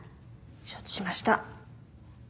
承知しました。